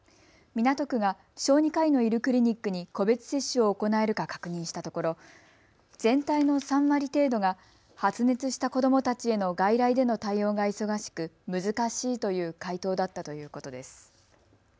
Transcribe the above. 港区が小児科医のいるクリニックに個別接種を行えるか確認したところ全体の３割程度が発熱した子どもたちへの外来での対応が忙しく難しいという回答だったということです。